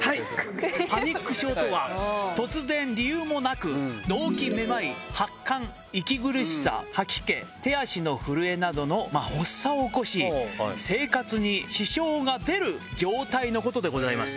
パニック症とは、突然理由もなく、どうき、めまい、発汗、息苦しさ、吐き気、手足の震えなどの発作を起こし、生活に支障が出る状態のことでございます。